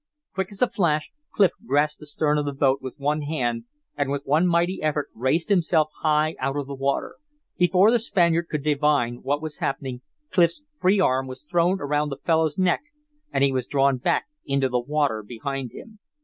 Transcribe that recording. Quick as a flash Clif grasped the stern of the boat with one hand and with one mighty effort raised himself high out of the water. Before the Spaniard could divine what was happening, Clif's free arm was thrown around the fellow's neck, and he was drawn back into the water behind him.